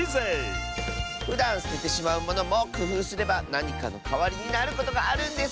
ふだんすててしまうものもくふうすればなにかのかわりになることがあるんです！